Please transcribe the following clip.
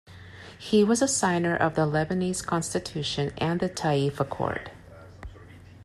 He was a signer of the Lebanese constitution and the Taif Accord.